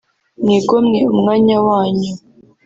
mwigomwe umwanya wanyu